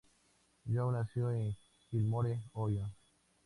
Young nació en Gilmore, Ohio.